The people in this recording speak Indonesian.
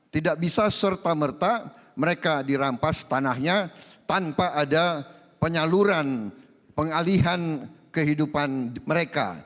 tidak bisa serta merta mereka dirampas tanahnya tanpa ada penyaluran pengalihan kehidupan mereka